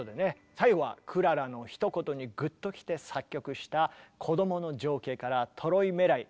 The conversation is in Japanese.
最後はクララのひと言にグッときて作曲した「こどもの情景」から「トロイメライ」